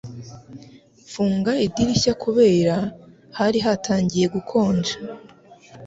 Mfunga idirishya kubera hari hatangiye gukonja.